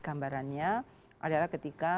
gambarannya adalah ketika